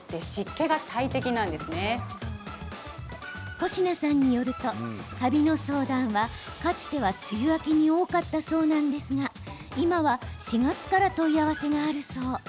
保科さんによるとカビの相談はかつては梅雨明けに多かったそうなんですが、今は４月から問い合わせがあるそう。